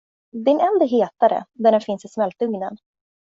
Din eld är hetare, där den finns i smältugnen.